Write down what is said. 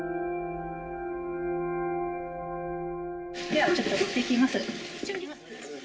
ではちょっといってきます。